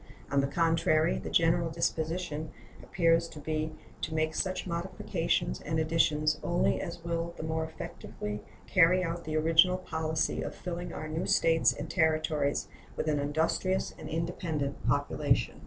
On the contrary, the general disposition appears to be to make such modifications and additions only as will the more effectually carry out the original policy of filling our new States and Territories with an industrious and independent population.